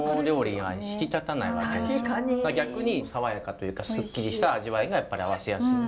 逆に爽やかというかすっきりした味わいがやっぱり合わせやすい。